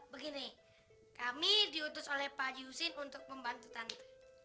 begini kami diutus oleh pak jusin untuk membantu tante